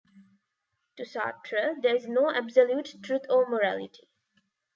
To Sartre, there is no absolute truth or morality.